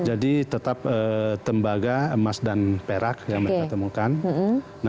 jadi tetap tembaga emas dan perak yang mereka temukan